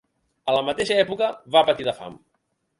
A la mateixa època, va patir de fam.